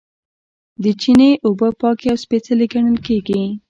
د چینې اوبه پاکې او سپیڅلې ګڼل کیږي.